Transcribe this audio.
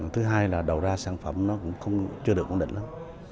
thứ hai là đầu ra sản phẩm nó cũng chưa được ổn định lắm